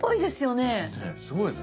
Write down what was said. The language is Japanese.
ねっすごいですね。